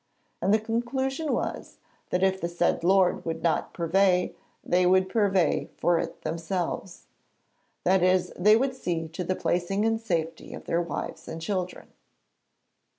'And the conclusion was, that if the said lord would not purvey, they would purvey for it themselves. That is, they would see to the placing in safety of their wives and children.'